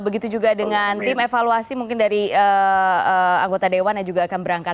begitu juga dengan tim evaluasi mungkin dari anggota dewan yang juga akan berangkat